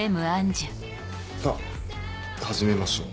さぁ始めましょう。